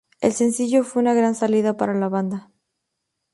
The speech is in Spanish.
El sencillo fue una gran salida para la banda.